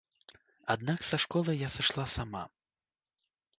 Аднак са школы я сышла сама.